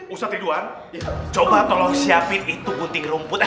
ustadz ridwan coba tolong siapin itu putih rumput